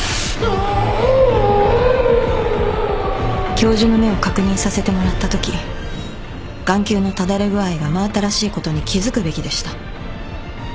教授の目を確認させてもらったとき眼球のただれ具合が真新しいことに気付くべきでした。